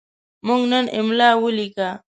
موږ نن املا ولیکه.